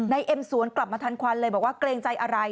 เอ็มสวนกลับมาทันควันเลยบอกว่าเกรงใจอะไร